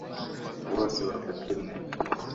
bose bapfa kimwe